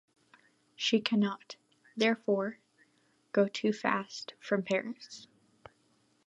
She cannot, therefore, go too fast from Paris.